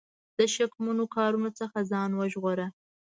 د شکمنو کارونو څخه ځان وژغوره.